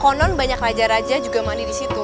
konon banyak raja raja juga mandi di situ